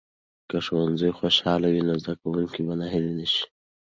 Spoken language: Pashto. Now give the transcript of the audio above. که ښوونځي خوشاله وي، نو زده کوونکي به ناهیلي نه شي.